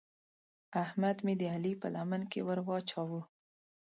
احمد مې د علي په لمن کې ور واچاوو.